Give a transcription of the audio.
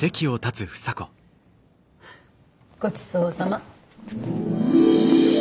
ごちそうさま。